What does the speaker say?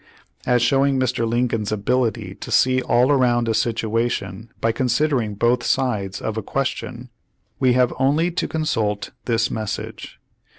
As showing Mr. Lincoln's ability to see all around a situation by considering both sides of a question, we have only to consult this message.